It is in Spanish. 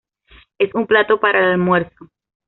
Es un plato para el almuerzo.